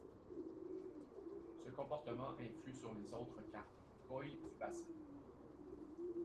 Ce comportement influe sur les autres carpes koï du bassin.